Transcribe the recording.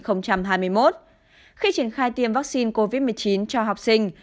khi triển khai tiêm vaccine covid một mươi chín cho học sinh